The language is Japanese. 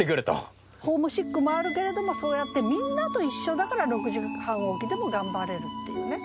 ホームシックもあるけれどもそうやってみんなと一緒だから６時半起きでも頑張れるっていうね。